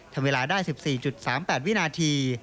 ทำเวลาได้๑๔๓๘วินาที